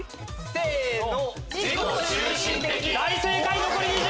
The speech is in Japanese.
せの。